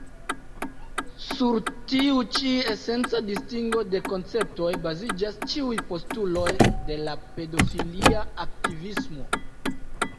Sur tiu ĉi esenca distingo de konceptoj baziĝas ĉiuj postuloj de la pedofilia aktivismo.